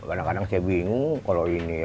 nggak kadang kadang saya bingung kalau ini ya kan